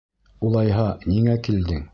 Улайһа, ниңә килдең?